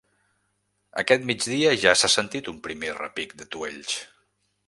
Aquest migdia ja s’ha sentit un primer repic d’atuells.